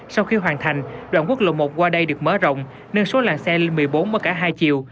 sau khi hoàn thành đoạn quốc lộ một qua đây được mở rộng nên số làng xe liên một mươi bốn mất cả hai chiều